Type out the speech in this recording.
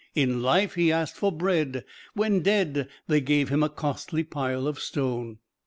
In life he asked for bread; when dead they gave him a costly pile of stone.